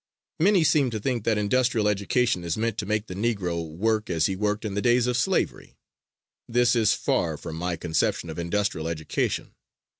Many seem to think that industrial education is meant to make the Negro work as he worked in the days of slavery. This is far from my conception of industrial education.